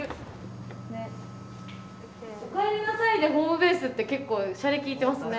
おかえりなさいでホームベースって結構しゃれきいてますね。